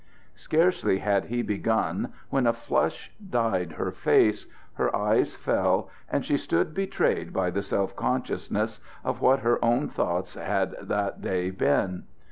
Scarcely had he begun when a flush dyed her face, her eyes fell, and she stood betrayed by the self consciousness of what her own thoughts had that day been.